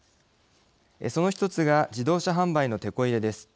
その一つが自動車販売のてこ入れです。